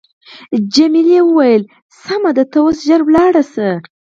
جميلې وويل: سمه ده ته اوس ژر ولاړ شه.